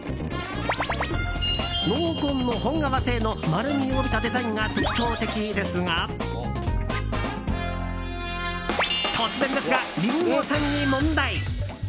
濃紺の本革製の丸みを帯びたデザインが特徴的ですが突然ですが、リンゴさんに問題。